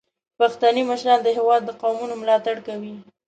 پښتني مشران د هیواد د قومونو ملاتړ کوي.